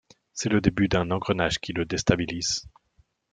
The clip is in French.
C'est le début d'un engrenage qui le déstabilise.